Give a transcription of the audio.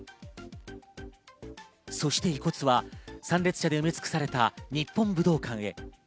そして遺骨は参列者で埋め尽くされた日本武道館へ。